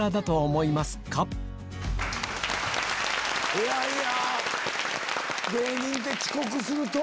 いやいや！